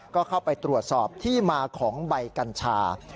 ก็เข้าไปตรวจสอบที่มาของใบกัญชา